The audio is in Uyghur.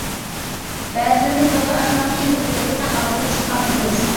بەزىلىرىمىز بولسا ئاشۇنداق قىيىن ئۆتكەلگە تاقابىل تۇرۇشقا ئاتلىنىمىز.